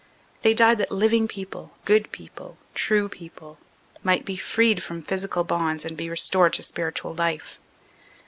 They died that living people, good people, true people, might be freed from physical bonds and be restored to spiritual life.